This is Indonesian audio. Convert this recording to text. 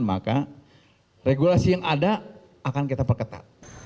maka regulasi yang ada akan kita perketat